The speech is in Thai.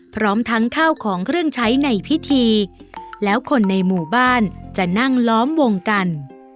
พร้อมทั้งข้าวของเครื่องใช้ในพิธีแล้วคนในหมู่บ้านจะนั่งล้อมวงกัน